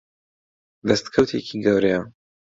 دەستکەوتێکی گەورەیە.